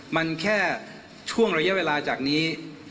มันแค่ช่วงระยะเวลาจากนี้